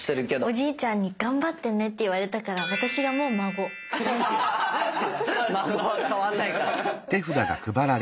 おじいちゃんに「頑張ってね！」って言われたから孫は変わんないから。